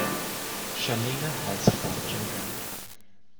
Choleva has four children.